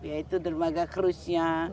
yaitu dermaga krusnya